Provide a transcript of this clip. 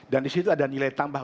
dan di situ ada nilai tambah